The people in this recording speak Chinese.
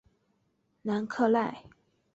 南克赖。